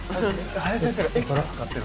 林先生がＸ使ってる。